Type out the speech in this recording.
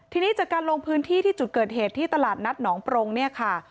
ทีนี้จากการลงพื้นที่ที่จุดเกิดเหตุที่ตลาดนัดหนองปรงเนี่ยค่ะ